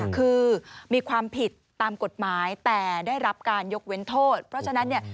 คือมีความผิดตามกฎหมายแต่ได้รับการยกเว้นโทษเพราะฉะนั้นเนี่ย